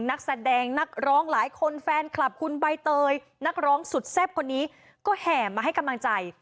นักแสดงนักร้องหลายคนแฟนคลับคุณใบเตยนักร้องสุดแซ่บคนนี้ก็แห่มาให้กำลังใจ